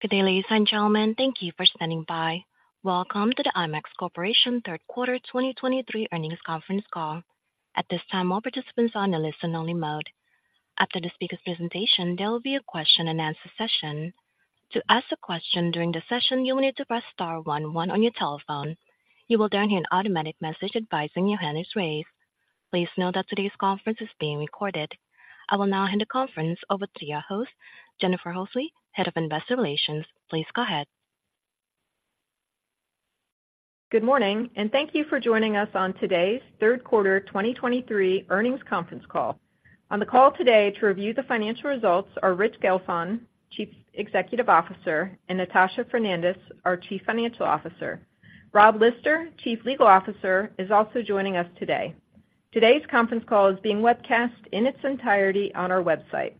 Good day, ladies and gentlemen. Thank you for standing by. Welcome to the IMAX Corporation third quarter 2023 earnings conference call. At this time, all participants are in a listen-only mode. After the speaker's presentation, there will be a question-and-answer session. To ask a question during the session, you will need to press star one one on your telephone. You will then hear an automatic message advising you when it is raised. Please note that today's conference is being recorded. I will now hand the conference over to your host, Jennifer Horsley, Head of Investor Relations. Please go ahead. Good morning, and thank you for joining us on today's third quarter 2023 earnings conference call. On the call today to review the financial results are Rich Gelfond, Chief Executive Officer, and Natasha Fernandes, our Chief Financial Officer. Rob Lister, Chief Legal Officer, is also joining us today. Today's conference call is being webcast in its entirety on our website.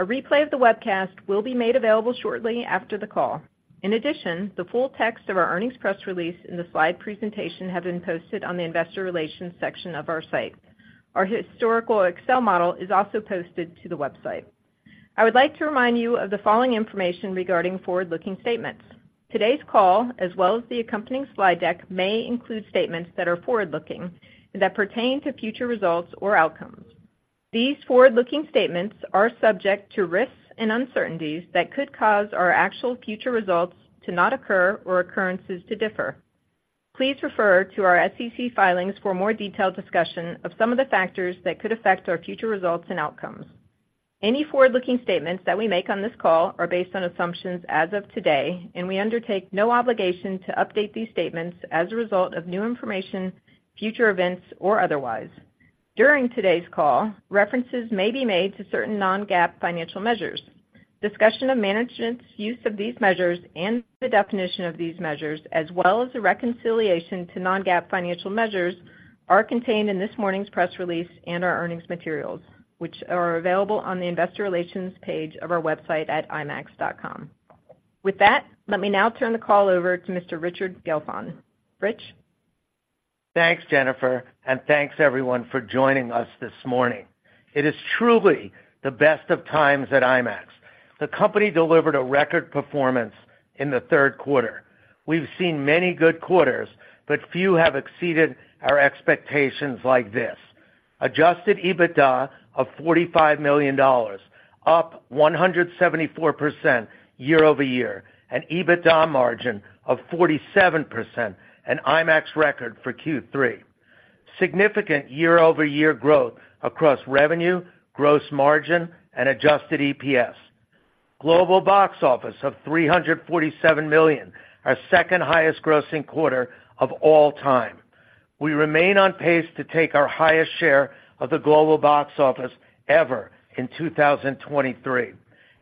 A replay of the webcast will be made available shortly after the call. In addition, the full text of our earnings press release and the slide presentation have been posted on the investor relations section of our site. Our historical Excel model is also posted to the website. I would like to remind you of the following information regarding forward-looking statements. Today's call, as well as the accompanying slide deck, may include statements that are forward-looking and that pertain to future results or outcomes. These forward-looking statements are subject to risks and uncertainties that could cause our actual future results to not occur or occurrences to differ. Please refer to our SEC filings for a more detailed discussion of some of the factors that could affect our future results and outcomes. Any forward-looking statements that we make on this call are based on assumptions as of today, and we undertake no obligation to update these statements as a result of new information, future events, or otherwise. During today's call, references may be made to certain non-GAAP financial measures. Discussion of management's use of these measures and the definition of these measures, as well as a reconciliation to non-GAAP financial measures, are contained in this morning's press release and our earnings materials, which are available on the investor relations page of our website at imax.com. With that, let me now turn the call over to Mr. Richard Gelfond. Rich? Thanks, Jennifer, and thanks everyone for joining us this morning. It is truly the best of times at IMAX. The company delivered a record performance in the third quarter. We've seen many good quarters, but few have exceeded our expectations like this. Adjusted EBITDA of $45 million, up 174% year-over-year, an EBITDA margin of 47%, an IMAX record for Q3. Significant year-over-year growth across revenue, gross margin, and adjusted EPS. Global box office of $347 million, our second highest grossing quarter of all time. We remain on pace to take our highest share of the global box office ever in 2023,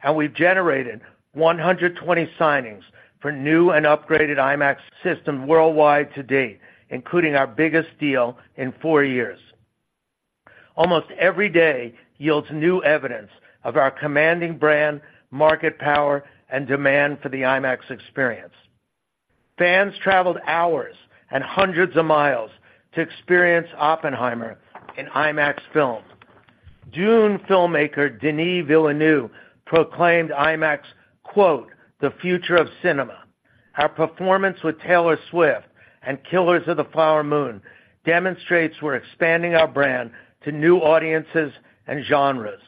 and we've generated 120 signings for new and upgraded IMAX systems worldwide to date, including our biggest deal in four years. Almost every day yields new evidence of our commanding brand, market power, and demand for the IMAX experience. Fans traveled hours and hundreds of miles to experience Oppenheimer in IMAX film. Dune filmmaker Denis Villeneuve proclaimed IMAX "the future of cinema." Our performance with Taylor Swift and Killers of the Flower Moon demonstrates we're expanding our brand to new audiences and genres.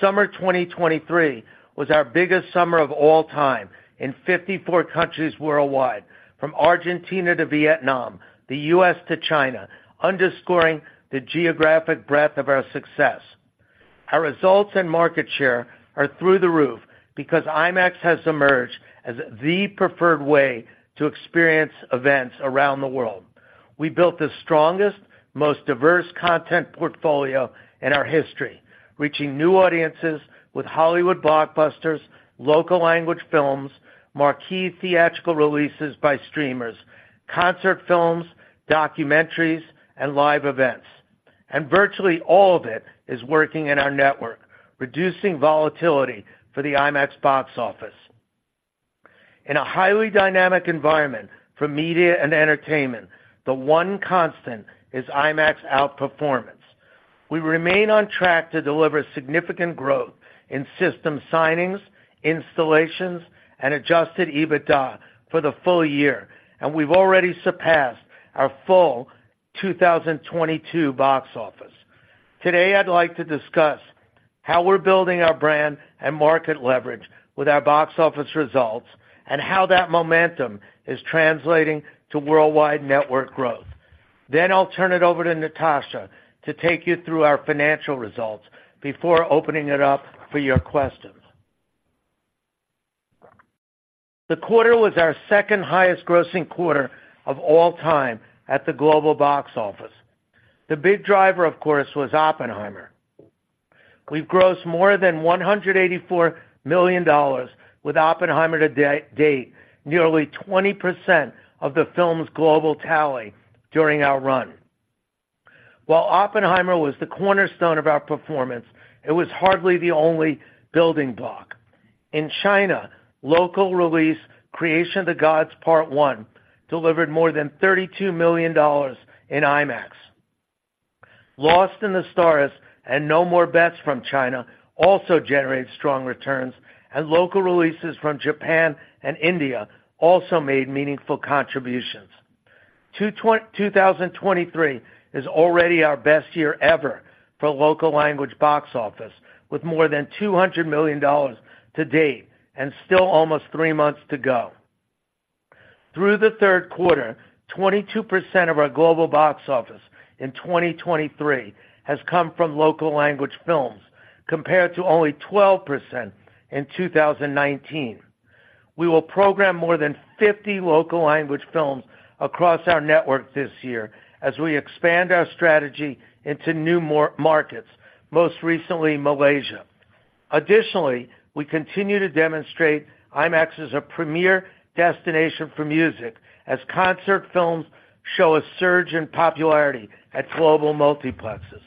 Summer 2023 was our biggest summer of all time in 54 countries worldwide, from Argentina to Vietnam, the U.S. to China, underscoring the geographic breadth of our success. Our results and market share are through the roof because IMAX has emerged as the preferred way to experience events around the world. We built the strongest, most diverse content portfolio in our history, reaching new audiences with Hollywood blockbusters, local language films, marquee theatrical releases by streamers, concert films, documentaries, and live events. Virtually all of it is working in our network, reducing volatility for the IMAX box office. In a highly dynamic environment for media and entertainment, the one constant is IMAX outperformance. We remain on track to deliver significant growth in system signings, installations, and Adjusted EBITDA for the full year, and we've already surpassed our full 2022 box office. Today, I'd like to discuss how we're building our brand and market leverage with our box office results and how that momentum is translating to worldwide network growth. Then I'll turn it over to Natasha to take you through our financial results before opening it up for your questions. The quarter was our second highest grossing quarter of all time at the global box office. The big driver, of course, was Oppenheimer. We've grossed more than $184 million with Oppenheimer to date, nearly 20% of the film's global tally during our run. While Oppenheimer was the cornerstone of our performance, it was hardly the only building block. In China, local release Creation of the Gods Part One delivered more than $32 million in IMAX. Lost in the Stars and No More Bets from China also generated strong returns, and local releases from Japan and India also made meaningful contributions. 2023 is already our best year ever for local language box office, with more than $200 million to date and still almost three months to go. Through the third quarter, 22% of our global box office in 2023 has come from local language films, compared to only 12% in 2019. We will program more than 50 local language films across our network this year as we expand our strategy into new markets, most recently Malaysia. Additionally, we continue to demonstrate IMAX is a premier destination for music, as concert films show a surge in popularity at global multiplexes.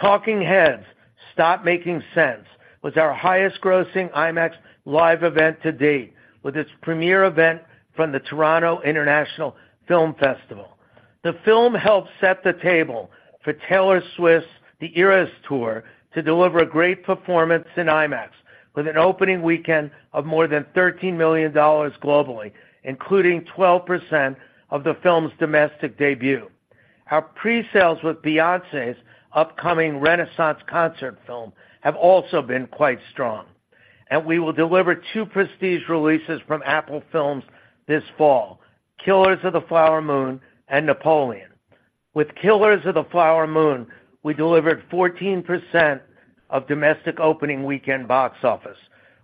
Talking Heads: Stop Making Sense was our highest grossing IMAX live event to date, with its premiere event from the Toronto International Film Festival. The film helped set the table for Taylor Swift's The Eras Tour to deliver a great performance in IMAX, with an opening weekend of more than $13 million globally, including 12% of the film's domestic debut. Our presales with Beyoncé's upcoming Renaissance concert film have also been quite strong, and we will deliver two prestige releases from Apple Films this fall, Killers of the Flower Moon and Napoleon. With Killers of the Flower Moon, we delivered 14% of domestic opening weekend box office.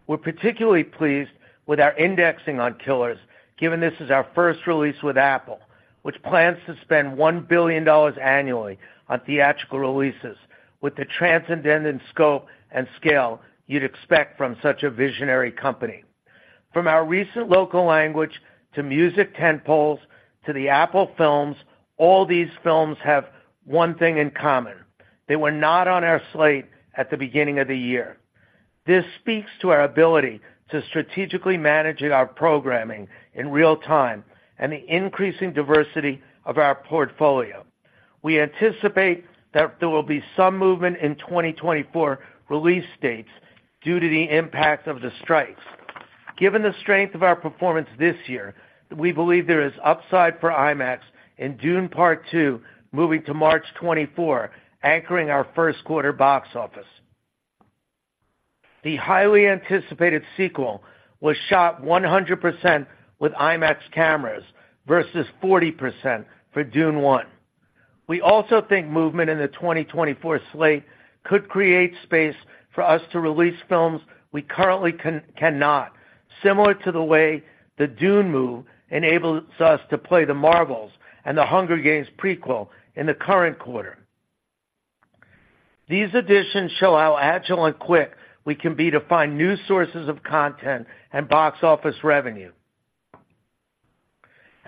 We're particularly pleased with our indexing on Killers, given this is our first release with Apple, which plans to spend $1 billion annually on theatrical releases with the transcendent scope and scale you'd expect from such a visionary company. From our recent local language, to music tentpoles, to the Apple films, all these films have one thing in common: they were not on our slate at the beginning of the year. This speaks to our ability to strategically manage our programming in real time and the increasing diversity of our portfolio. We anticipate that there will be some movement in 2024 release dates due to the impact of the strikes. Given the strength of our performance this year, we believe there is upside for IMAX in Dune: Part Two, moving to March 2024, anchoring our first quarter box office. The highly anticipated sequel was shot 100% with IMAX cameras versus 40% for Dune One. We also think movement in the 2024 slate could create space for us to release films we currently cannot, similar to the way the Dune move enables us to play The Marvels and The Hunger Games prequel in the current quarter. These additions show how agile and quick we can be to find new sources of content and box office revenue.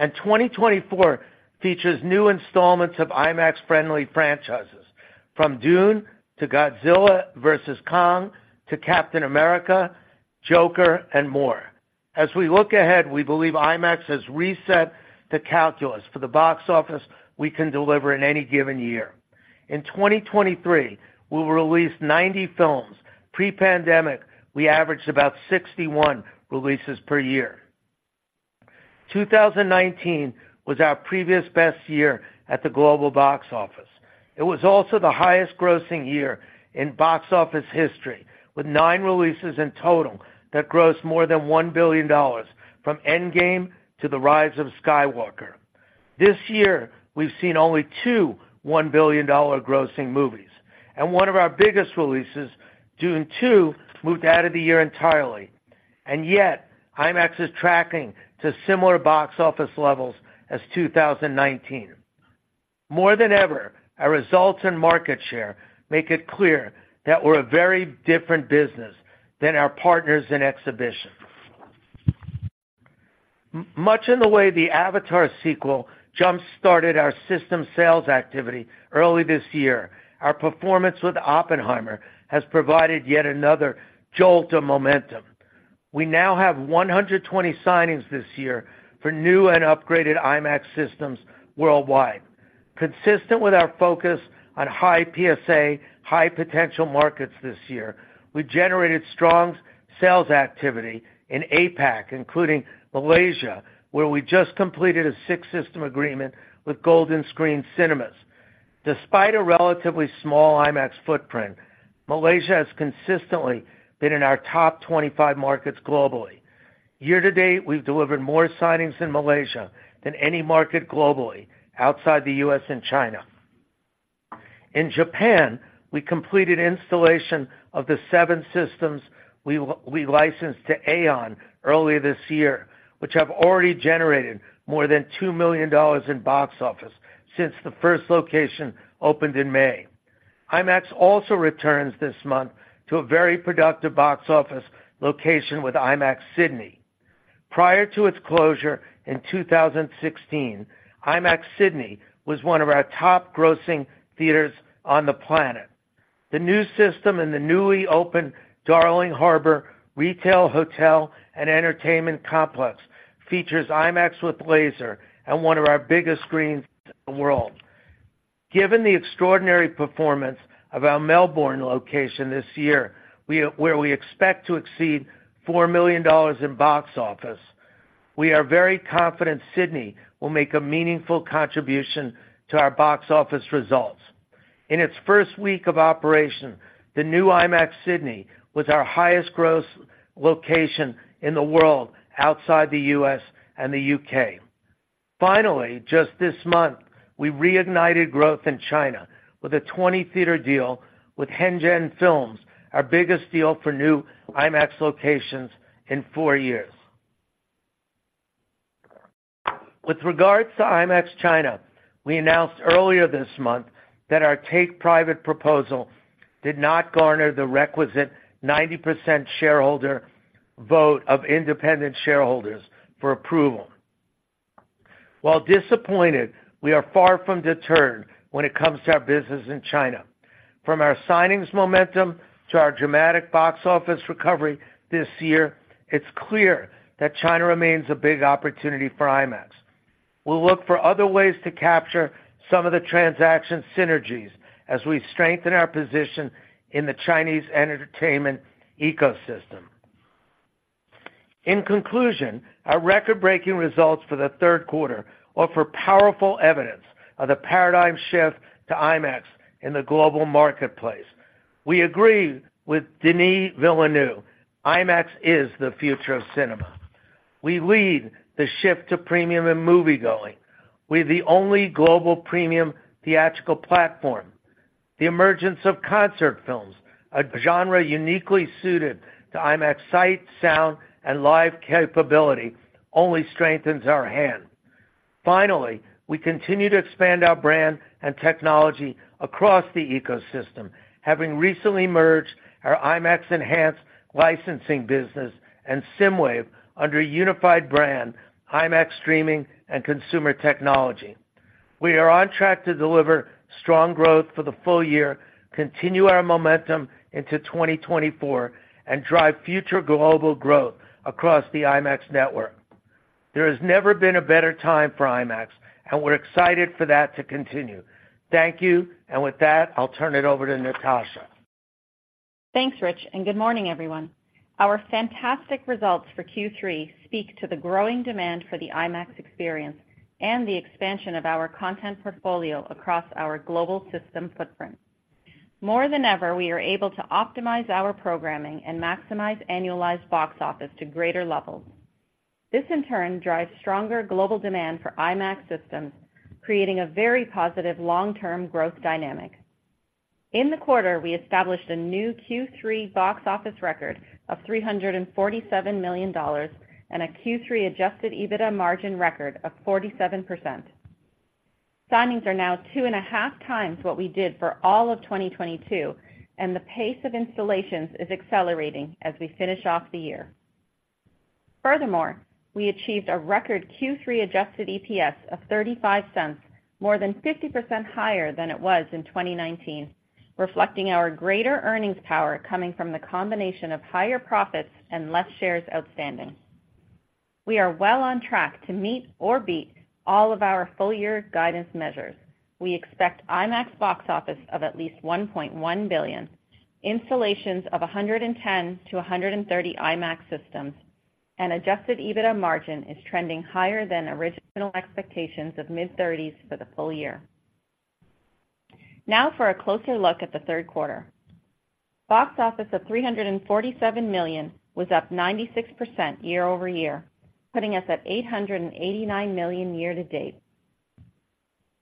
2024 features new installments of IMAX-friendly franchises, from Dune to Godzilla vs. Kong to Captain America, Joker, and more. As we look ahead, we believe IMAX has reset the calculus for the box office we can deliver in any given year. In 2023, we will release 90 films. Pre-pandemic, we averaged about 61 releases per year. 2019 was our previous best year at the global box office. It was also the highest grossing year in box office history, with nine releases in total that grossed more than $1 billion from Endgame to The Rise of Skywalker. This year, we've seen only two $1 billion grossing movies, and one of our biggest releases, Dune Two, moved out of the year entirely. And yet, IMAX is tracking to similar box office levels as 2019. More than ever, our results and market share make it clear that we're a very different business than our partners in exhibition. Much in the way the Avatar sequel jump-started our system sales activity early this year, our performance with Oppenheimer has provided yet another jolt of momentum. We now have 120 signings this year for new and upgraded IMAX systems worldwide. Consistent with our focus on high PSA, high potential markets this year, we generated strong sales activity in APAC, including Malaysia, where we just completed a 6-system agreement with Golden Screen Cinemas. Despite a relatively small IMAX footprint, Malaysia has consistently been in our top 25 markets globally. Year-to-date, we've delivered more signings in Malaysia than any market globally outside the US and China. In Japan, we completed installation of the 7 systems we licensed to AEON earlier this year, which have already generated more than $2 million in box office since the first location opened in May. IMAX also returns this month to a very productive box office location with IMAX Sydney. Prior to its closure in 2016, IMAX Sydney was one of our top grossing theaters on the planet. The new system and the newly opened Darling Harbour retail, hotel, and entertainment complex features IMAX with Laser and one of our biggest screens in the world. Given the extraordinary performance of our Melbourne location this year, where we expect to exceed $4 million in box office, we are very confident Sydney will make a meaningful contribution to our box office results. In its first week of operation, the new IMAX Sydney was our highest gross location in the world outside the U.S. and the U.K. Finally, just this month, we reignited growth in China with a 20-theater deal with Hengdian Films, our biggest deal for new IMAX locations in 4 years. With regards to IMAX China, we announced earlier this month that our take-private proposal did not garner the requisite 90% shareholder vote of independent shareholders for approval. While disappointed, we are far from deterred when it comes to our business in China. From our signings momentum to our dramatic box office recovery this year, it's clear that China remains a big opportunity for IMAX. We'll look for other ways to capture some of the transaction synergies as we strengthen our position in the Chinese entertainment ecosystem. In conclusion, our record-breaking results for the third quarter offer powerful evidence of the paradigm shift to IMAX in the global marketplace. We agree with Denis Villeneuve, "IMAX is the future of cinema." We lead the shift to premium and moviegoing. We're the only global premium theatrical platform. The emergence of concert films, a genre uniquely suited to IMAX sight, sound, and live capability, only strengthens our hand. Finally, we continue to expand our brand and technology across the ecosystem, having recently merged our IMAX Enhanced licensing business and SSIMWAVE under a unified brand, IMAX Streaming and Consumer Technology. We are on track to deliver strong growth for the full year, continue our momentum into 2024, and drive future global growth across the IMAX network. There has never been a better time for IMAX, and we're excited for that to continue. Thank you. And with that, I'll turn it over to Natasha. Thanks, Rich, and good morning, everyone. Our fantastic results for Q3 speak to the growing demand for the IMAX experience and the expansion of our content portfolio across our global system footprint. More than ever, we are able to optimize our programming and maximize annualized box office to greater levels. This, in turn, drives stronger global demand for IMAX systems, creating a very positive long-term growth dynamic. In the quarter, we established a new Q3 box office record of $347 million and a Q3 adjusted EBITDA margin record of 47%. Signings are now 2.5 times what we did for all of 2022, and the pace of installations is accelerating as we finish off the year. Furthermore, we achieved a record Q3 adjusted EPS of $0.35, more than 50% higher than it was in 2019, reflecting our greater earnings power coming from the combination of higher profits and less shares outstanding. We are well on track to meet or beat all of our full-year guidance measures. We expect IMAX box office of at least $1.1 billion, installations of 110-130 IMAX systems, and adjusted EBITDA margin is trending higher than original expectations of mid-30s for the full year. Now for a closer look at the third quarter. Box office of $347 million was up 96% year-over-year, putting us at $889 million year-to-date.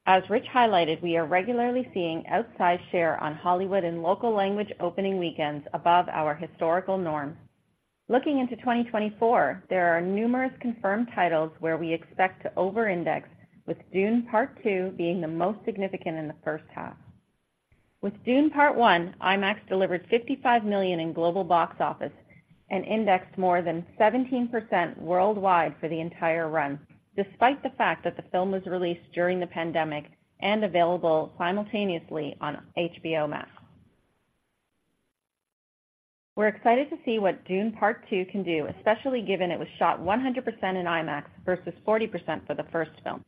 As Rich highlighted, we are regularly seeing outsized share on Hollywood and local language opening weekends above our historical norm. Looking into 2024, there are numerous confirmed titles where we expect to over-index, with Dune: Part Two being the most significant in the first half. With Dune: Part One, IMAX delivered $55 million in global box office and indexed more than 17% worldwide for the entire run, despite the fact that the film was released during the pandemic and available simultaneously on HBO Max. We're excited to see what Dune: Part Two can do, especially given it was shot 100% in IMAX versus 40% for the first film.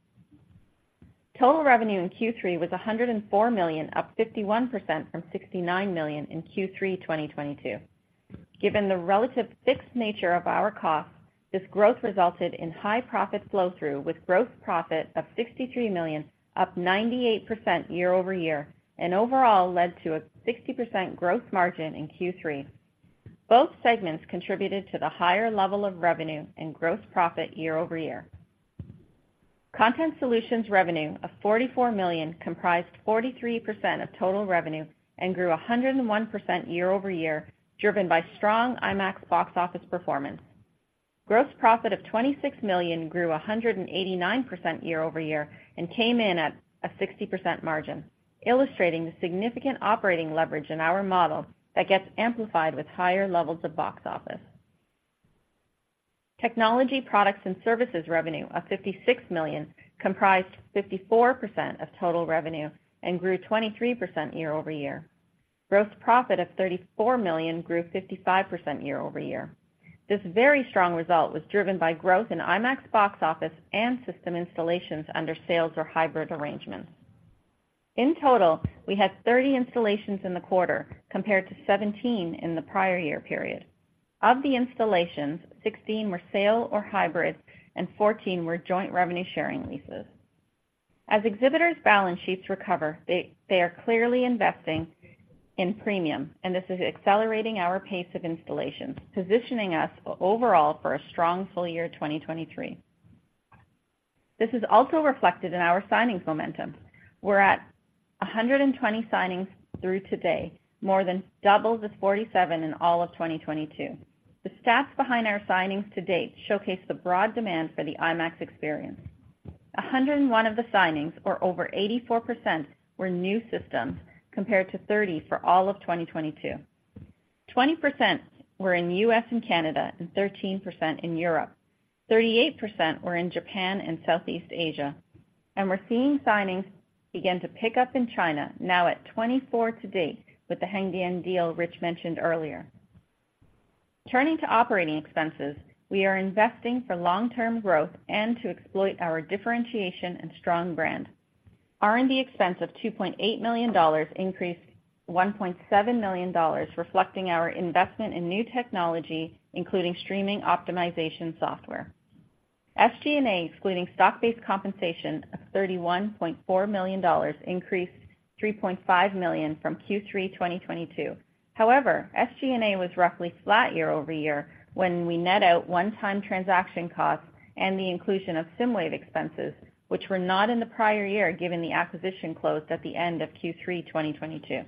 Total revenue in Q3 was $104 million, up 51% from $69 million in Q3 2022. Given the relative fixed nature of our costs, this growth resulted in high profit flow-through, with gross profit of $63 million, up 98% year-over-year, and overall led to a 60% gross margin in Q3. Both segments contributed to the higher level of revenue and gross profit year-over-year. Content Solutions revenue of $44 million comprised 43% of total revenue and grew 101% year-over-year, driven by strong IMAX box office performance. Gross profit of $26 million grew 189% year-over-year and came in at a 60% margin, illustrating the significant operating leverage in our model that gets amplified with higher levels of box office.... Technology Products and Services revenue of $56 million comprised 54% of total revenue and grew 23% year-over-year. Gross profit of $34 million grew 55% year-over-year. This very strong result was driven by growth in IMAX box office and system installations under sales or hybrid arrangements. In total, we had 30 installations in the quarter, compared to 17 in the prior year period. Of the installations, 16 were sale or hybrid, and 14 were joint revenue sharing leases. As exhibitors' balance sheets recover, they are clearly investing in premium, and this is accelerating our pace of installations, positioning us overall for a strong full year 2023. This is also reflected in our signings momentum. We're at 120 signings through today, more than double the 47 in all of 2022. The stats behind our signings to date showcase the broad demand for the IMAX experience. 101 of the signings, or over 84%, were new systems, compared to 30 for all of 2022. 20% were in U.S. and Canada, and 13% in Europe. 38% were in Japan and Southeast Asia, and we're seeing signings begin to pick up in China, now at 24 to date, with the Hengdian deal Rich mentioned earlier. Turning to operating expenses, we are investing for long-term growth and to exploit our differentiation and strong brand. R&D expense of $2.8 million increased $1.7 million, reflecting our investment in new technology, including streaming optimization software. SG&A, excluding stock-based compensation of $31.4 million, increased $3.5 million from Q3 2022. However, SG&A was roughly flat year-over-year when we net out one-time transaction costs and the inclusion of Ssimwave expenses, which were not in the prior year, given the acquisition closed at the end of Q3 2022.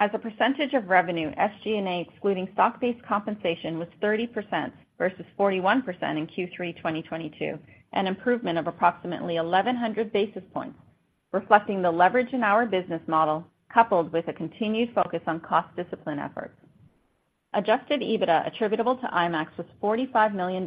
As a percentage of revenue, SG&A, excluding stock-based compensation, was 30% versus 41% in Q3 2022, an improvement of approximately 1,100 basis points, reflecting the leverage in our business model, coupled with a continued focus on cost discipline efforts. Adjusted EBITDA attributable to IMAX was $45 million,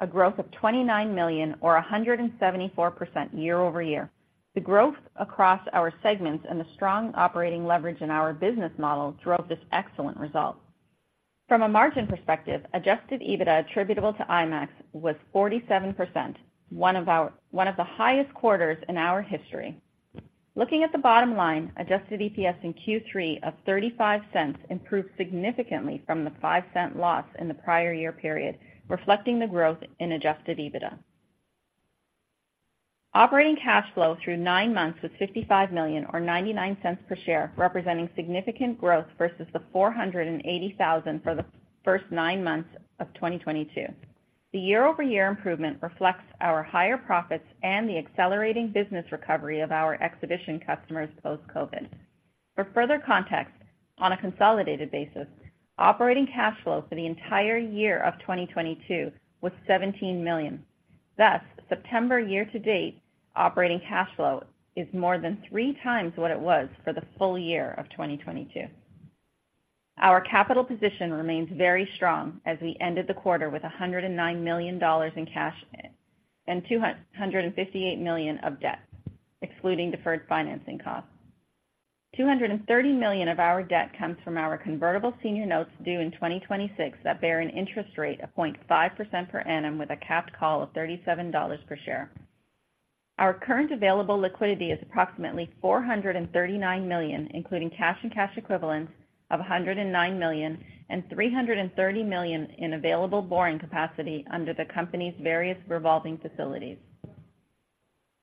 a growth of $29 million or 174% year-over-year. The growth across our segments and the strong operating leverage in our business model drove this excellent result. From a margin perspective, adjusted EBITDA attributable to IMAX was 47%, one of the highest quarters in our history. Looking at the bottom line, Adjusted EPS in Q3 of $0.35 improved significantly from the $0.05 loss in the prior year period, reflecting the growth in Adjusted EBITDA. Operating cash flow through nine months was $55 million, or $0.99 per share, representing significant growth versus the $480,000 for the first nine months of 2022. The year-over-year improvement reflects our higher profits and the accelerating business recovery of our exhibition customers post-COVID. For further context, on a consolidated basis, operating cash flow for the entire year of 2022 was $17 million. Thus, September year-to-date operating cash flow is more than 3 times what it was for the full year of 2022. Our capital position remains very strong as we ended the quarter with $109 million in cash and $258 million of debt, excluding deferred financing costs. $230 million of our debt comes from our convertible senior notes due in 2026 that bear an interest rate of 0.5% per annum with a capped call of $37 per share. Our current available liquidity is approximately $439 million, including cash and cash equivalents of $109 million and $330 million in available borrowing capacity under the company's various revolving facilities.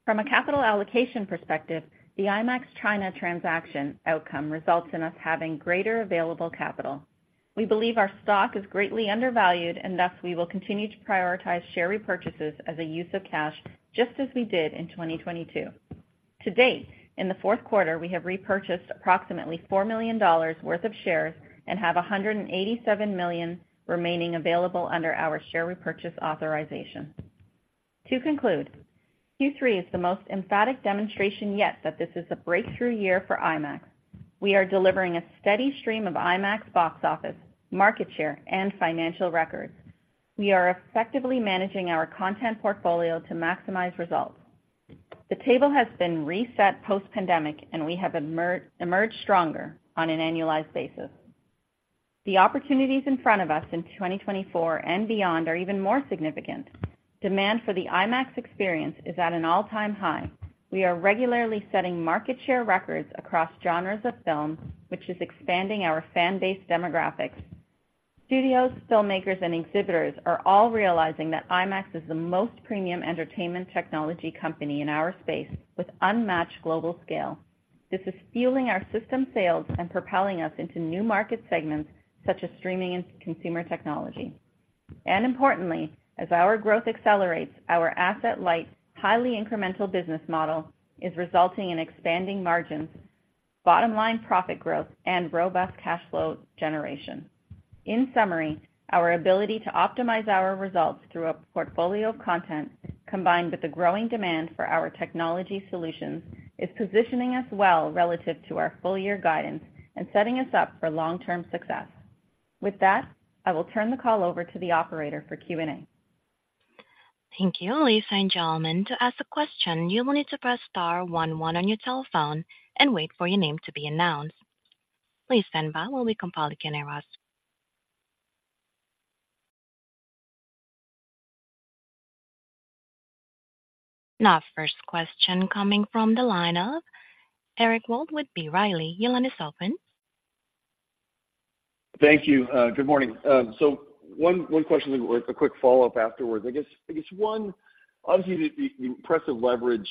From a capital allocation perspective, the IMAX China transaction outcome results in us having greater available capital. We believe our stock is greatly undervalued, and thus, we will continue to prioritize share repurchases as a use of cash, just as we did in 2022. To date, in the fourth quarter, we have repurchased approximately $4 million worth of shares and have $187 million remaining available under our share repurchase authorization. To conclude, Q3 is the most emphatic demonstration yet that this is a breakthrough year for IMAX. We are delivering a steady stream of IMAX box office, market share, and financial records. We are effectively managing our content portfolio to maximize results. The table has been reset post-pandemic, and we have emerged stronger on an annualized basis. The opportunities in front of us in 2024 and beyond are even more significant. Demand for the IMAX experience is at an all-time high. We are regularly setting market share records across genres of film, which is expanding our fan base demographics. Studios, filmmakers, and exhibitors are all realizing that IMAX is the most premium entertainment technology company in our space, with unmatched global scale. This is fueling our system sales and propelling us into new market segments, such as streaming and consumer technology. And importantly, as our growth accelerates, our asset-light, highly incremental business model is resulting in expanding margins, bottom line profit growth, and robust cash flow generation. In summary, our ability to optimize our results through a portfolio of content, combined with the growing demand for our technology solutions, is positioning us well relative to our full year guidance and setting us up for long-term success. With that, I will turn the call over to the operator for Q&A. Thank you. Ladies and gentlemen, to ask a question, you will need to press star one one on your telephone and wait for your name to be announced. Please stand by while we compile the Q&A roster. Now, first question coming from the line of Eric Wold with B. Riley. Your line is open. Thank you. Good morning. One question or a quick follow-up afterwards. I guess one, obviously, the impressive leverage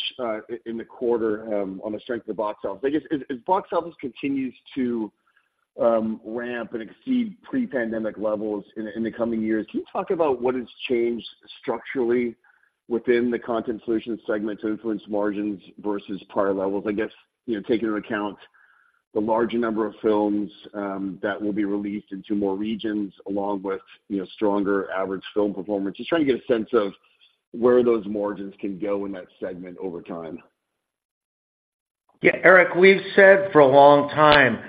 in the quarter on the strength of the box office. I guess, as box office continues to ramp and exceed pre-pandemic levels in the coming years, can you talk about what has changed structurally within the Content Solutions segment to influence margins versus par levels? I guess taking into account the larger number of films that will be released into more regions, along with stronger average film performance. Just trying to get a sense of where those margins can go in that segment over time. Eric, we've said for a long time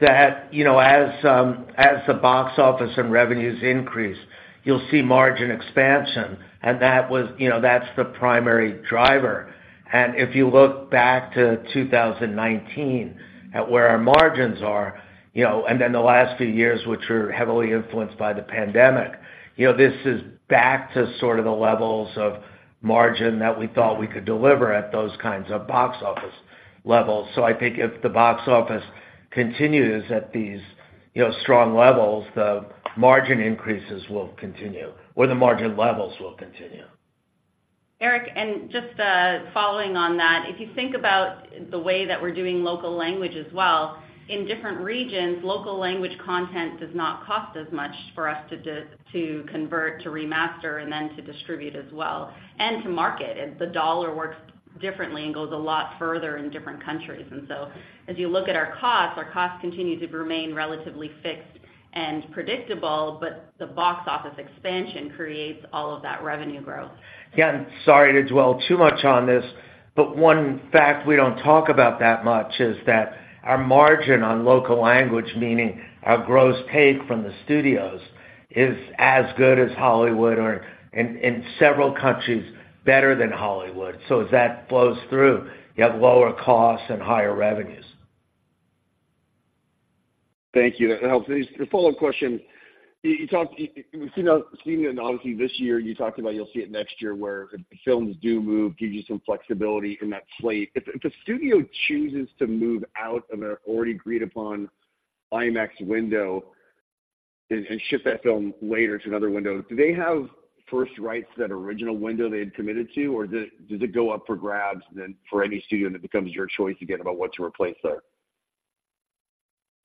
that as the box office and revenues increase, you'll see margin expansion, and that's the primary driver. And if you look back to 2019, at where our margins are, and then the last few years, which were heavily influenced by the pandemic, this is back to sort of the levels of margin that we thought we could deliver at those kinds of box office levels. So I think if the box office continues at these strong levels, the margin increases will continue, or the margin levels will continue. Eric, and just, following on that, if you think about the way that we're doing local language as well, in different regions, local language content does not cost as much for us to just, to convert, to remaster, and then to distribute as well, and to market. The dollar works differently and goes a lot further in different countries. So as you look at our costs, our costs continue to remain relatively fixed and predictable, but the box office expansion creates all of that revenue growth. Sorry to dwell too much on this, but one fact we don't talk about that much is that our margin on local language, meaning our gross take from the studios, is as good as Hollywood or in several countries, better than Hollywood. So as that flows through, you have lower costs and higher revenues. Thank you. That helps. The follow-up question, you talked... You've seen it obviously this year, you talked about you'll see it next year, where if films do move, gives you some flexibility in that slate. If the studio chooses to move out of an already agreed upon IMAX window and ship that film later to another window, do they have first rights to that original window they had committed to, or does it go up for grabs then for any studio, and it becomes your choice again about what to replace there?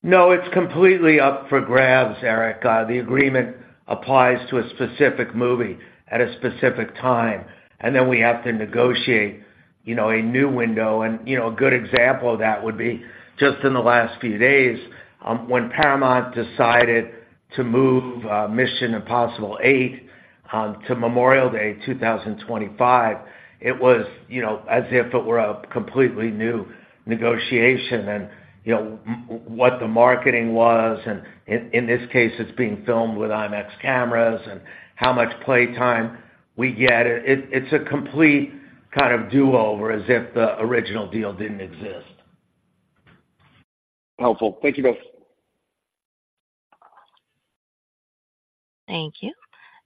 No, it's completely up for grabs, Eric. The agreement applies to a specific movie at a specific time, and then we have to negotiate a new window. A good example of that would be just in the last few days, when Paramount decided to move Mission: Impossible 8 to Memorial Day 2025, it was as if it were a completely new negotiation. What the marketing was, and in this case, it's being filmed with IMAX cameras and how much play time we get. It, it's a complete kind of do-over, as if the original deal didn't exist. Helpful. Thank you, both. Thank you.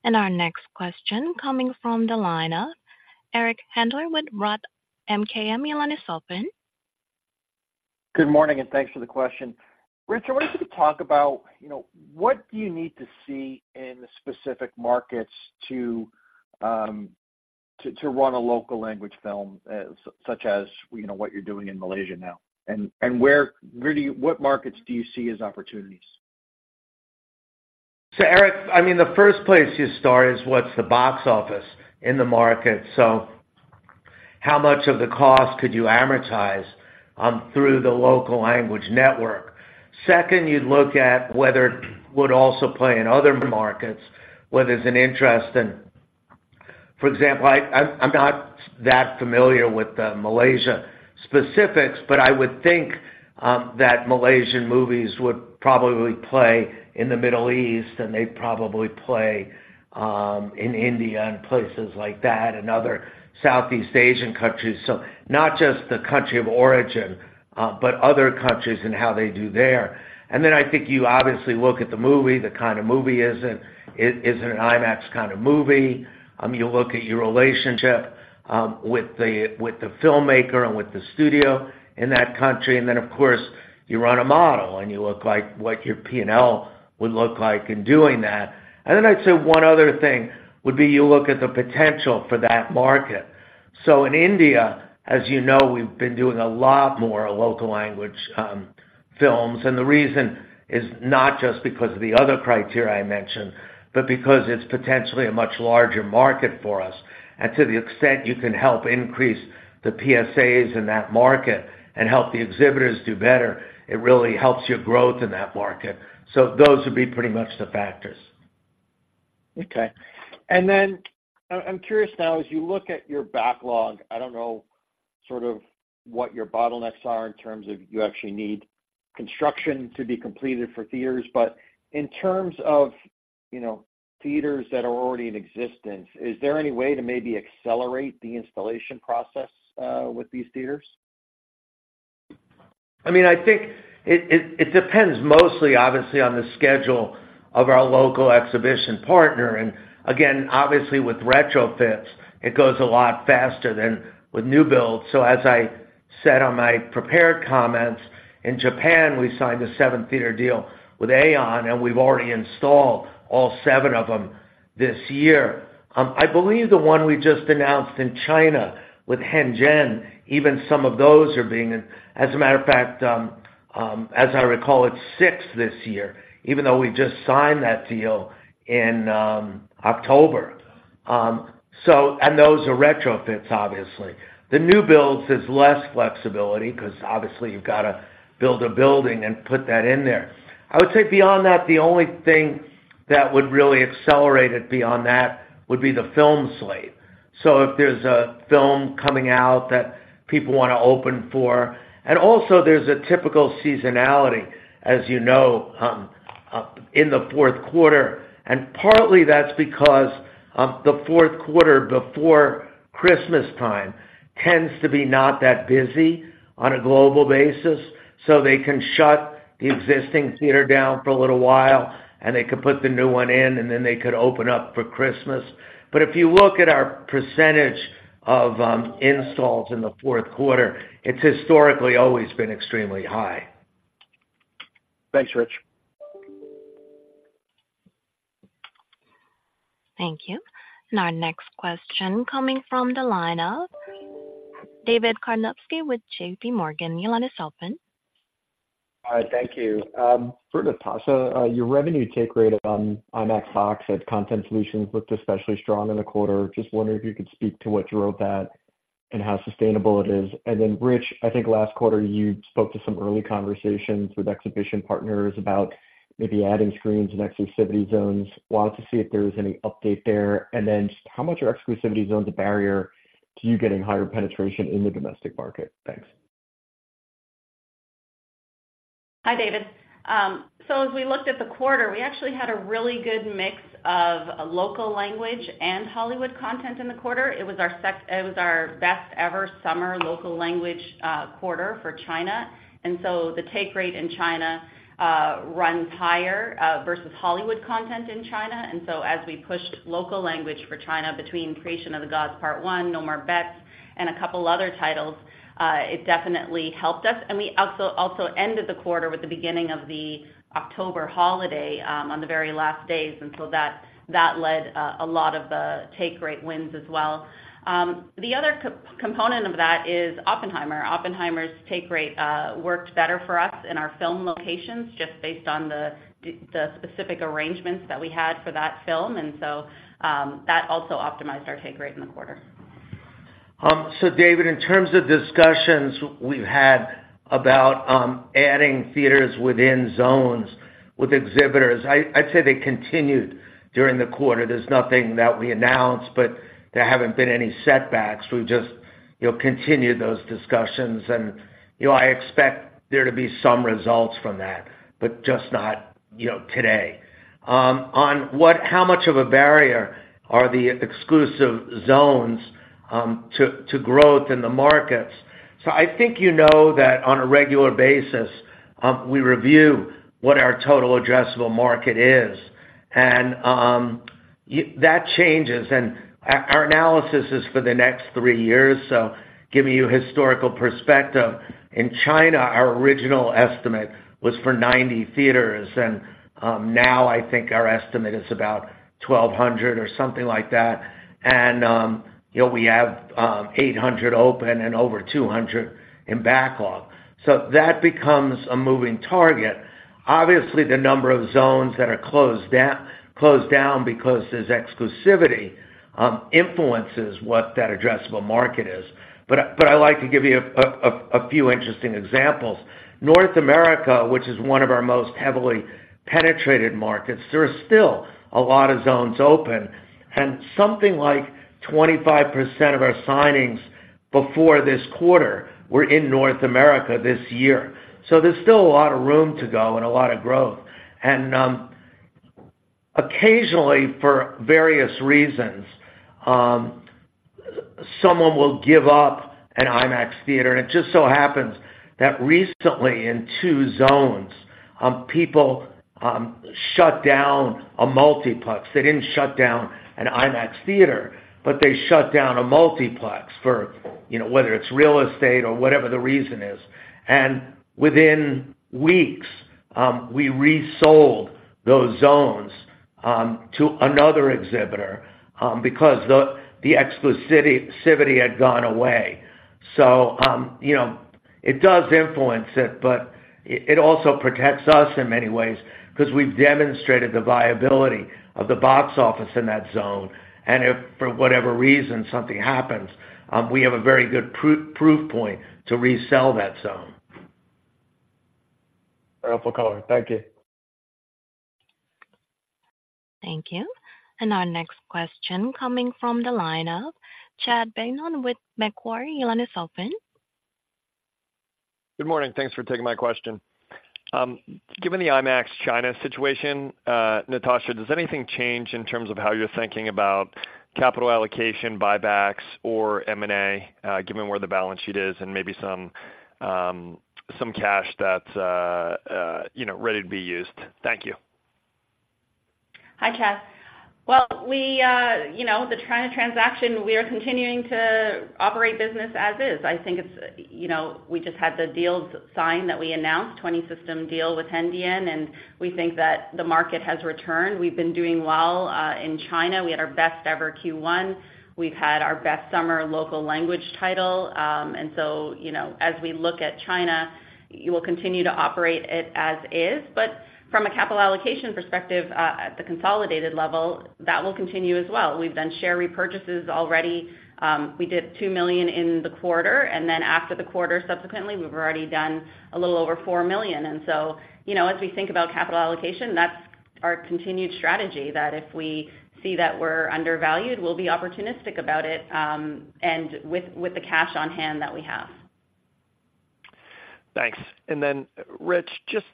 Our next question coming from the line of Eric Handler with Roth MKM. Your line is open. Good morning, and thanks for the question. Rich, I wonder if you could talk about what do you need to see in the specific markets to run a local language film, such as what you're doing in Malaysia now? And what markets do you see as opportunities? Eric, the first place you start is, what's the box office in the market? So how much of the cost could you amortize through the local language network? Second, you'd look at whether it would also play in other markets, whether there's an interest. And for example, I'm not that familiar with the Malaysia specifics, but I would think that Malaysian movies would probably play in the Middle East, and they'd probably play in India and places like that, and other Southeast Asian countries. So not just the country of origin, but other countries and how they do there. And then I think you obviously look at the movie, the kind of movie is it. Is it an IMAX kind of movie? You look at your relationship with the filmmaker and with the studio in that country. And then, of course, you run a model, and you look like what your PNL would look like in doing that. And then I'd say one other thing would be you look at the potential for that market. So in India as we've been doing a lot more local language films. And the reason is not just because of the other criteria I mentioned, but because it's potentially a much larger market for us. And to the extent you can help increase the PSAs in that market and help the exhibitors do better, it really helps your growth in that market. So those would be pretty much the factors. Okay. And then I'm curious now, as you look at your backlog, I don't know sort of what your bottlenecks are in terms of you actually need construction to be completed for theaters. But in terms of theaters that are already in existence, is there any way to maybe accelerate the installation process with these theaters? I think it depends mostly, obviously, on the schedule of our local exhibition partner. And again, obviously, with retrofits, it goes a lot faster than with new builds. So as I said on my prepared comments, in Japan, we signed a seven-theater deal with AEON, and we've already installed all seven of them this year. I believe the one we just announced in China with Hengdian, even some of those are, as a matter of fact, as I recall, it's six this year, even though we just signed that deal in October. So, and those are retrofits, obviously. The new builds is less flexibility because obviously you've got to build a building and put that in there. I would say beyond that, the only thing that would really accelerate it beyond that would be the film slate. So if there's a film coming out that people want to open for. Also there's a typical seasonality, as in the fourth quarter. Partly that's because the fourth quarter before Christmas time tends to be not that busy on a global basis, so they can shut the existing theater down for a little while, and they could put the new one in, and then they could open up for Christmas. But if you look at our percentage of installs in the fourth quarter, it's historically always been extremely high. Thanks, Rich. Thank you. Our next question coming from the line of David Karnovsky with JPMorgan. Your line is open. Hi, thank you. For Natasha, your revenue take rate on IMAX box at Content Solutions looked especially strong in the quarter. Just wondering if you could speak to what drove that and how sustainable it is. And then, Rich, I think last quarter you spoke to some early conversations with exhibition partners about maybe adding screens and exclusivity zones. Wanted to see if there was any update there. And then just how much are exclusivity zones a barrier to you getting higher penetration in the domestic market? Thanks. Hi, David. So as we looked at the quarter, we actually had a really good mix of local language and Hollywood content in the quarter. It was our best ever summer local language quarter for China, and so the take rate in China runs higher versus Hollywood content in China. And so as we pushed local language for China between Creation of the Gods Part One, No More Bets, and a couple other titles, it definitely helped us. And we also ended the quarter with the beginning of the October holiday on the very last days, and so that led a lot of the take rate wins as well. The other component of that is Oppenheimer. Oppenheimer's take rate worked better for us in our film locations, just based on the specific arrangements that we had for that film, and so that also optimized our take rate in the quarter. So David, in terms of discussions we've had about adding theaters within zones with exhibitors, I'd say they continued during the quarter. There's nothing that we announced, but there haven't been any setbacks. We've just, you'll continue those discussions, and I expect there to be some results from that, but just not today. On how much of a barrier are the exclusive zones to growth in the markets? So I think that on a regular basis we review what our total addressable market is, and that changes, and our analysis is for the next three years. So giving you historical perspective, in China, our original estimate was for 90 theaters, and now I think our estimate is about 1,200 or something like that. We have 800 open and over 200 in backlog. So that becomes a moving target. Obviously, the number of zones that are closed down because there's exclusivity influences what that addressable market is. But I'd like to give you a few interesting examples. North America, which is one of our most heavily penetrated markets, there are still a lot of zones open, and something like 25% of our signings before this quarter were in North America this year. So there's still a lot of room to go and a lot of growth. Occasionally, for various reasons, someone will give up an IMAX theater, and it just so happens that recently, in 2 zones, people shut down a multiplex. They didn't shut down an IMAX theater, but they shut down a multiplex for whether it's real estate or whatever the reason is. And within weeks, we resold those zones to another exhibitor because the, the exclusivity had gone away. So, it does influence it, but it also protects us in many ways because we've demonstrated the viability of the box office in that zone. And if, for whatever reason, something happens, we have a very good proof point to resell that zone. Wonderful color. Thank you. Thank you. Our next question coming from the line of Chad Beynon with Macquarie. Your line is open. Good morning. Thanks for taking my question. Given the IMAX China situation, Natasha, does anything change in terms of how you're thinking about capital allocation, buybacks, or M&A, given where the balance sheet is and maybe some cash that's ready to be used? Thank you. Hi, Chad. Well, we, the China transaction, we are continuing to operate business as is. I think it's, we just had the deals signed that we announced, 20-system deal with Hengdian, and we think that the market has returned. We've been doing well, in China. We had our best ever Q1. We've had our best summer local language title. And so, as we look at China, we will continue to operate it as is, but from a capital allocation perspective, at the consolidated level, that will continue as well. We've done share repurchases already. We did $2 million in the quarter, and then after the quarter, subsequently, we've already done a little over $4 million. And so, as we think about capital allocation, that's our continued strategy, that if we see that we're undervalued, we'll be opportunistic about it, and with the cash on hand that we have. Thanks. And then, Rich, just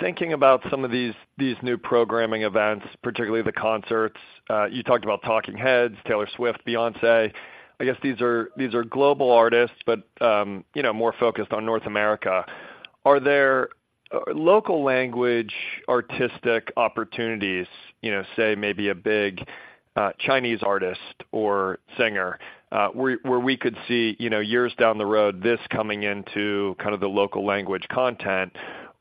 thinking about some of these, these new programming events, particularly the concerts, you talked about Talking Heads, Taylor Swift, Beyoncé. I guess these are, these are global artists, but more focused on North America. Are there local language artistic opportunities, say maybe a big, Chinese artist or singer, where, where we could see years down the road, this coming into kind of the local language content?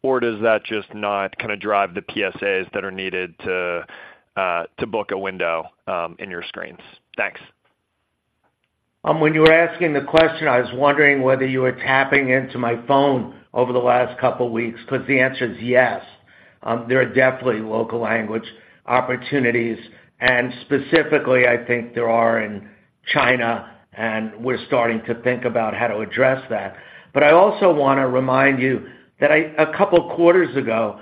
Or does that just not kind of drive the PSAs that are needed to, to book a window, in your screens? Thanks. When you were asking the question, I was wondering whether you were tapping into my phone over the last couple of weeks, because the answer is yes. There are definitely local language opportunities, and specifically, I think there are in China, and we're starting to think about how to address that. But I also want to remind you that a couple of quarters ago,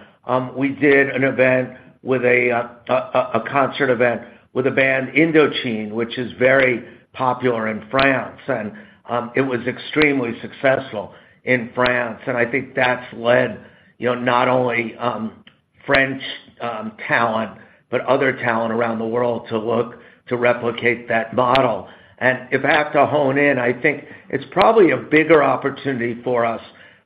we did an event with a concert event with a band, Indochine, which is very popular in France, and it was extremely successful in France. And I think that's led not only French talent, but other talent around the world to look to replicate that model. If I have to hone in, I think it's probably a bigger opportunity for us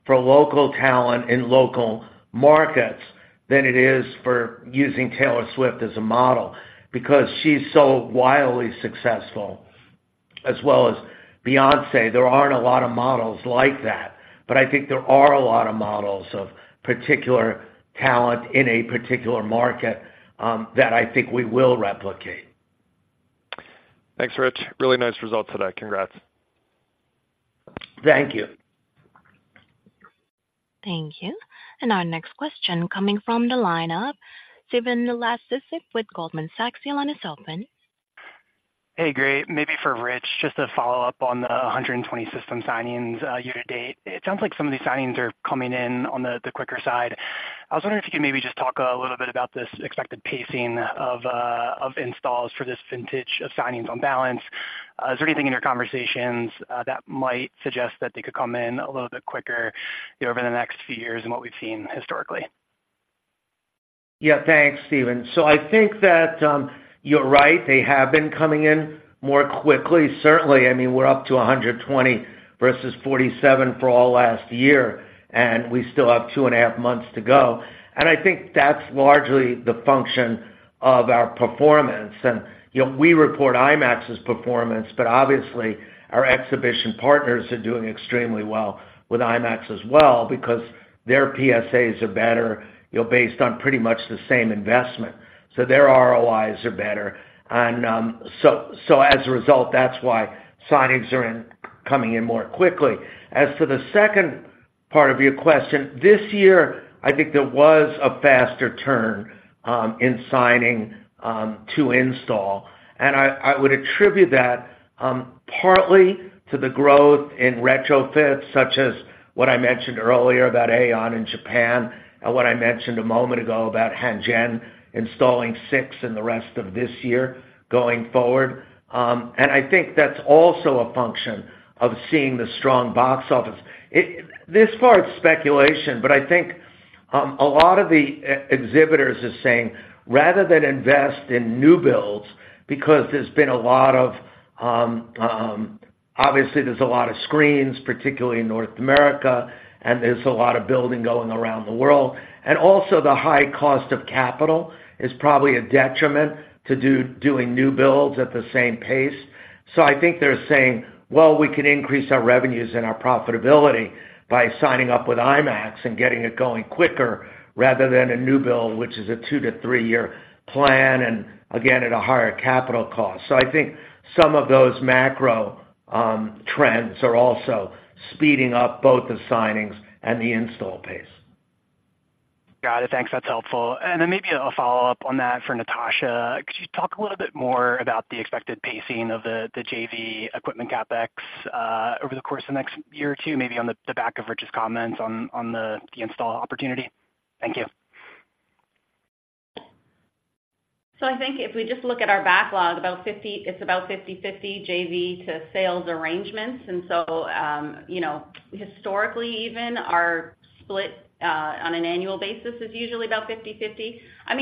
for local talent in local markets than it is for using Taylor Swift as a model, because she's so wildly successful, as well as Beyoncé. There aren't a lot of models like that, but I think there are a lot of models of particular talent in a particular market, that I think we will replicate. Thanks, Rich. Really nice results today. Congrats. Thank you. Thank you. Our next question coming from the line of Stephen Laszczyk with Goldman Sachs. Your line is open. Hey, great. Maybe for Rich, just to follow up on the 120 system signings, year to date. It sounds like some of these signings are coming in on the quicker side. I was wondering if you could maybe just talk a little bit about this expected pacing of installs for this vintage of signings on balance. Is there anything in your conversations that might suggest that they could come in a little bit quicker over the next few years than what we've seen historically? Thanks, Stephen. I think that you're right, they have been coming in more quickly. Certainly, we're up to 120 versus 47 for all last year, and we still have 2.5 months to go. And I think that's largely the function of our performance. We report IMAX's performance, but obviously, our exhibition partners are doing extremely well with IMAX as well because their PSAs are better based on pretty much the same investment. So their ROIs are better. And so as a result, that's why signings are incoming more quickly. As to the second part of your question, this year, I think there was a faster turn, in signing to install. And I would attribute that partly to the growth in retrofits, such as what I mentioned earlier about AEON in Japan and what I mentioned a moment ago about Hengdian installing six in the rest of this year going forward. And I think that's also a function of seeing the strong box office. This part's speculation, but I think a lot of the exhibitors are saying, rather than invest in new builds, because there's been a lot of obviously there's a lot of screens, particularly in North America, and there's a lot of building going around the world, and also the high cost of capital is probably a detriment to doing new builds at the same pace. So I think they're saying, "Well, we can increase our revenues and our profitability by signing up with IMAX and getting it going quicker, rather than a new build, which is a 2-3-year plan, and again, at a higher capital cost." So I think some of those macro trends are also speeding up both the signings and the install pace. Got it. Thanks, that's helpful. And then maybe a follow-up on that for Natasha. Could you talk a little bit more about the expected pacing of the JV equipment CapEx over the course of the next year or two, maybe on the back of Rich's comments on the install opportunity? Thank you. So I think if we just look at our backlog, about 50/50 JV to sales arrangements. Historically, even our split, on an annual basis is usually about 50/50.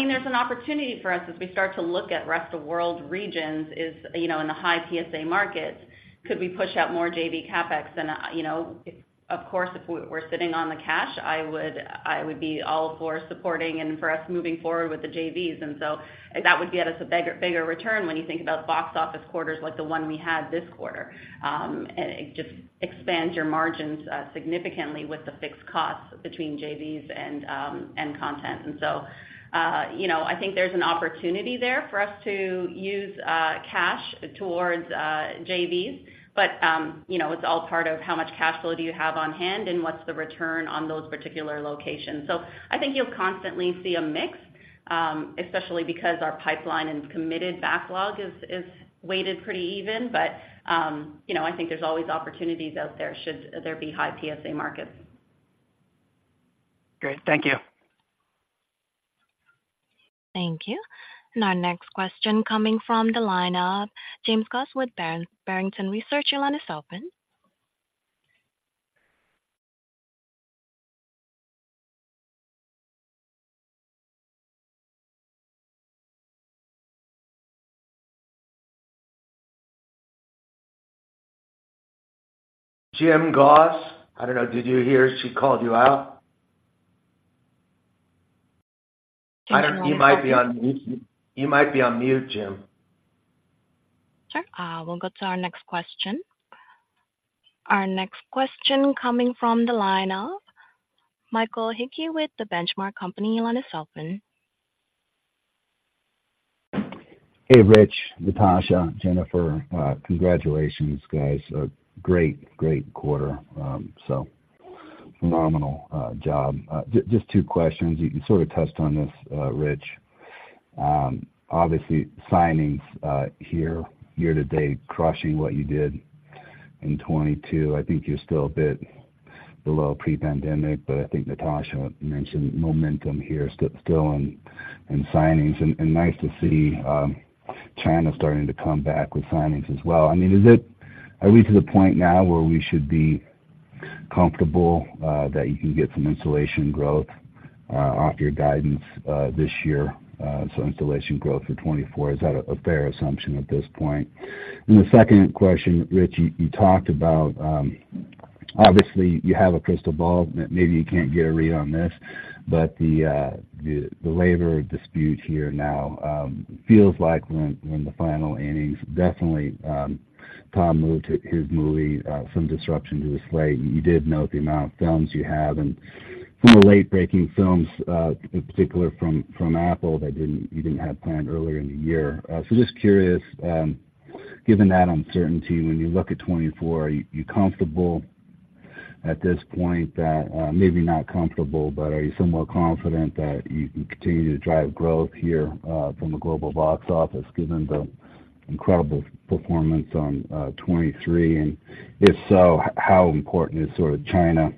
There's an opportunity for us as we start to look at rest of world regions, is in the high PSA markets, could we push out more JV CapEx? If we were sitting on the cash, I would, I would be all for supporting and for us moving forward with the JVs. And so that would get us a bigger, bigger return when you think about box office quarters like the one we had this quarter. And it just expands your margins, significantly with the fixed costs between JVs and, and content. I think there's an opportunity there for us to use cash towards JVs. It's all part of how much cash flow do you have on hand and what's the return on those particular locations. So I think you'll constantly see a mix, especially because our pipeline and committed backlog is weighted pretty even. But I think there's always opportunities out there, should there be high TSA markets. Great. Thank you. Thank you. And our next question coming from the line of Jim Goss with Barrington Research. Your line is open. Jim Goss, I don't know. Did you hear? She called you out. You might be on mute. You might be on mute, Jim. Sure. We'll go to our next question. Our next question coming from the line of Michael Hickey with The Benchmark Company. Your line is open. Hey, Rich, Natasha, Jennifer, congratulations, guys. A great, great quarter. So phenomenal job. Just two questions. You can sort of touched on this, Rich. Obviously, signings here, year-to-date, crushing what you did in 2022. I think you're still a bit below pre-pandemic, but I think Natasha mentioned momentum here, still on in signings. And nice to see, China starting to come back with signings as well. Are we to the point now where we should be comfortable that you can get some installation growth off your guidance this year? So installation growth for 2024, is that a fair assumption at this point? And the second question, Rich, you talked about, obviously, you have a crystal ball. Maybe you can't get a read on this, but the labor dispute here now feels like we're in the final innings. Definitely, Tom moved his movie, some disruption to the slate, and you did note the amount of films you have, and some of the late-breaking films in particular from Apple that didn't—you didn't have planned earlier in the year. So just curious, given that uncertainty, when you look at 2024, are you comfortable at this point that maybe not comfortable, but are you somewhat confident that you can continue to drive growth here from a global box office, given the incredible performance on 2023? And if so, how important is sort of China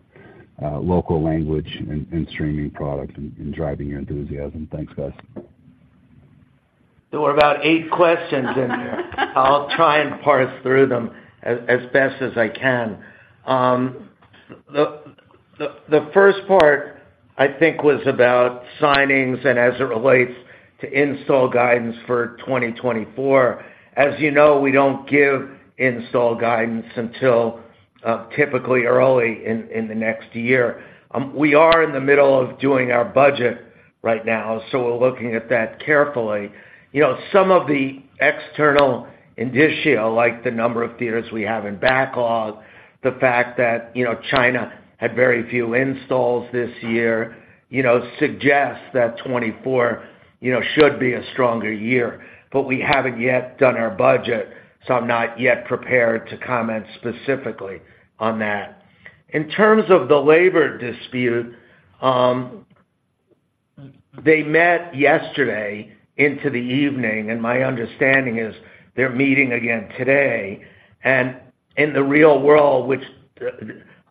local language and streaming product in driving your enthusiasm? Thanks, guys. There were about eight questions in there. I'll try and parse through them as best as I can. The first part, I think, was about signings and as it relates to install guidance for 2024. As you know, we don't give install guidance until typically early in the next year. We are in the middle of doing our budget right now, so we're looking at that carefully. Some of the external indicia, like the number of theaters we have in backlog, the fact that China had very few installs this year, suggests that 2024 should be a stronger year. But we haven't yet done our budget, so I'm not yet prepared to comment specifically on that. In terms of the labor dispute, they met yesterday into the evening, and my understanding is they're meeting again today. In the real world, which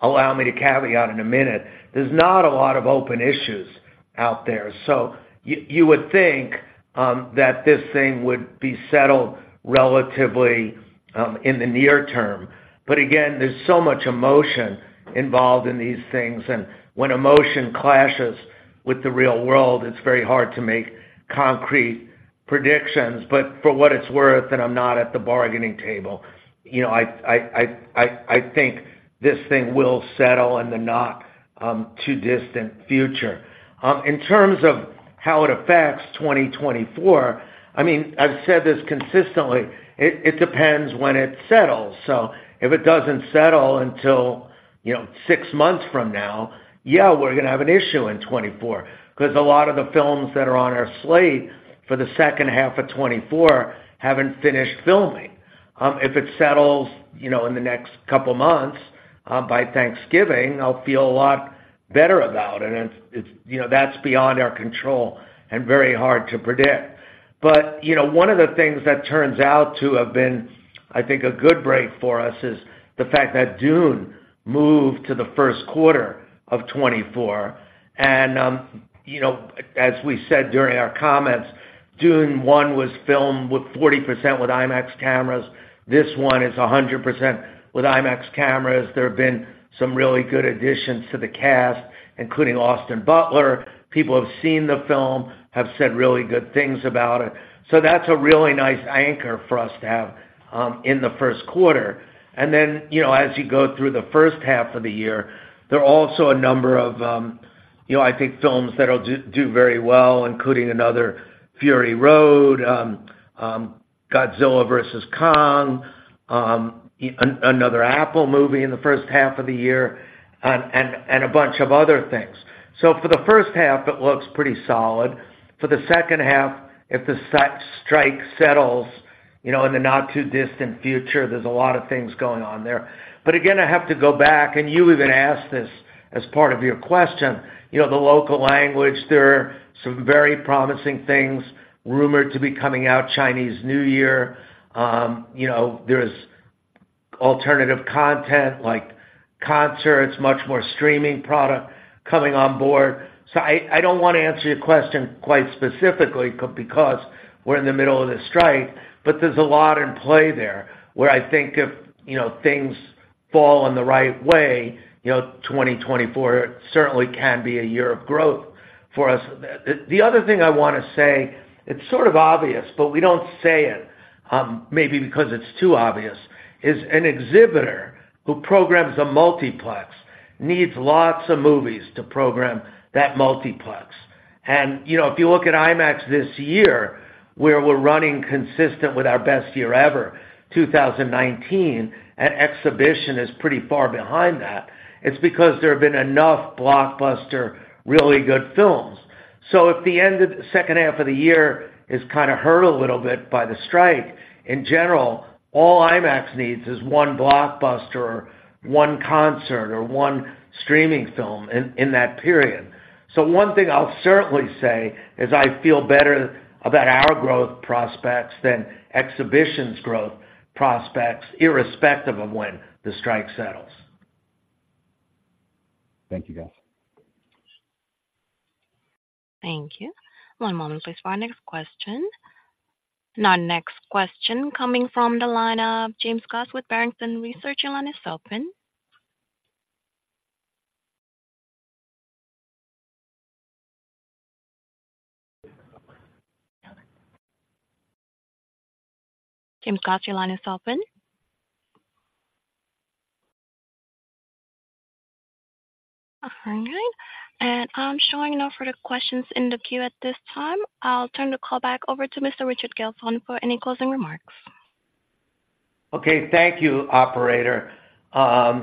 allow me to caveat in a minute, there's not a lot of open issues out there. So you would think that this thing would be settled relatively in the near term. But again, there's so much emotion involved in these things, and when emotion clashes with the real world, it's very hard to make concrete predictions. But for what it's worth, and I'm not at the bargaining table, I think this thing will settle in the not too distant future. In terms of how it affects 2024, I've said this consistently, it depends when it settles. If it doesn't settle until six months from now, we're gonna have an issue in 2024, because a lot of the films that are on our slate for the second half of 2024 haven't finished filming. If it settles in the next couple of months, by Thanksgiving, I'll feel a lot better about it. And that's beyond our control and very hard to predict. But one of the things that turns out to have been, I think, a good break for us, is the fact that Dune's move to the first quarter of 2024. As we said during our comments, Dune I was filmed with 40% with IMAX cameras. This one is 100% with IMAX cameras. There have been some really good additions to the cast, including Austin Butler. People have seen the film, have said really good things about it. So that's a really nice anchor for us to have in the first quarter. As you go through the first half of the year, there are also a number of I think films that'll do very well, including another Fury Road, Godzilla vs. Kong, another Apple movie in the first half of the year, and a bunch of other things. So for the first half, it looks pretty solid. For the second half, if the strike settles in the not-too-distant future, there's a lot of things going on there. But again, I have to go back, and you even asked this as part of your question. The local language, there are some very promising things rumored to be coming out Chinese New Year. There's alternative content like concerts, much more streaming product coming on board. So I don't wanna answer your question quite specifically, because we're in the middle of the strike, but there's a lot in play there, where I think if things fall in the right way, 2024 certainly can be a year of growth for us. The other thing I wanna say, it's sort of obvious, but we don't say it, maybe because it's too obvious, is an exhibitor who programs a multiplex needs lots of movies to program that multiplex. If you look at IMAX this year, where we're running consistent with our best year ever, 2019, and exhibition is pretty far behind that, it's because there have been enough blockbuster, really good films. So if the end of the second half of the year is kinda hurt a little bit by the strike, in general, all IMAX needs is one blockbuster, one concert or one streaming film in that period. So one thing I'll certainly say is I feel better about our growth prospects than exhibition's growth prospects, irrespective of when the strike settles. Thank you, guys. Thank you. One moment, please, for our next question. Our next question coming from the line of James Goss with Barrington Research. Your line is open. James Goss, your line is open? All right. I'm showing no further questions in the queue at this time. I'll turn the call back over to Mr. Richard Gelfond for any closing remarks. Okay, thank you, operator. I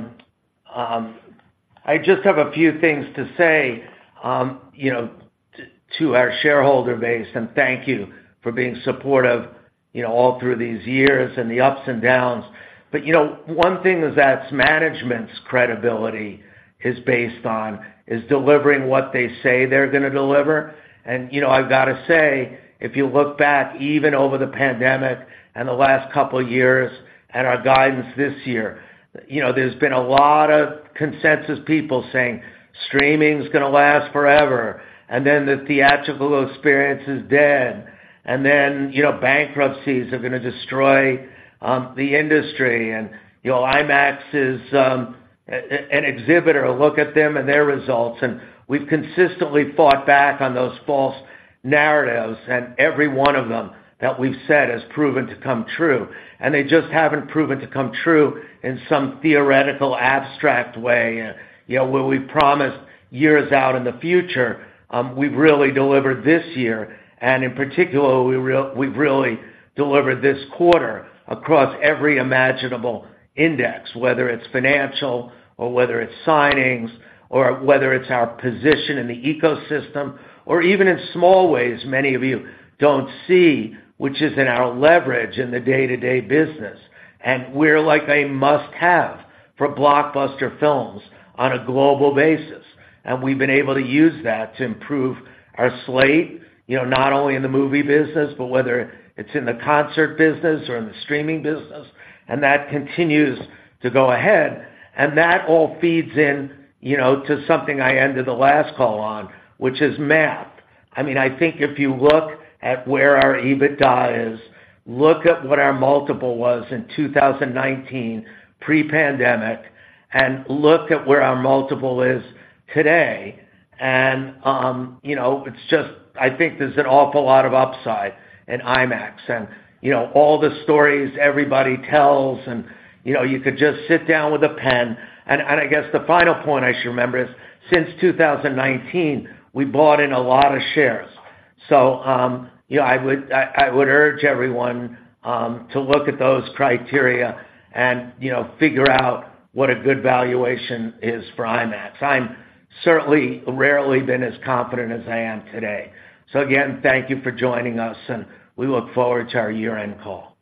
just have a few things to say to our shareholder base, and thank you for being supportive all through these years and the ups and downs. But, one thing is that's management's credibility is based on, is delivering what they say they're gonna deliver. I've got to say, if you look back, even over the pandemic and the last couple of years and our guidance this year, there's been a lot of consensus, people saying streaming is gonna last forever, and then the theatrical experience is dead. Bankruptcies are gonna destroy the industry. IMAX is an exhibitor. Look at them and their results, and we've consistently fought back on those false narratives, and every one of them that we've said has proven to come true. They just haven't proven to come true in some theoretical, abstract way. Where we promised years out in the future, we've really delivered this year, and in particular, we've really delivered this quarter across every imaginable index, whether it's financial or whether it's signings or whether it's our position in the ecosystem or even in small ways many of you don't see, which is in our leverage in the day-to-day business. And we're like a must-have for blockbuster films on a global basis, and we've been able to use that to improve our slate not only in the movie business, but whether it's in the concert business or in the streaming business, and that continues to go ahead. And that all feeds in to something I ended the last call on, which is math. I think if you look at where our EBITDA is, look at what our multiple was in 2019, pre-pandemic, and look at where our multiple is today. I think there's an awful lot of upside in IMAX and all the stories everybody tells, and you could just sit down with a pen. I guess the final point I should remember is, since 2019, we bought in a lot of shares. So, I would urge everyone to look at those criteria and figure out what a good valuation is for IMAX. I'm certainly rarely been as confident as I am today. So again, thank you for joining us, and we look forward to our year-end call.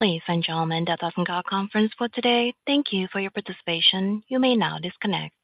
Ladies and gentlemen, that concludes our conference call today. Thank you for your participation. You may now disconnect.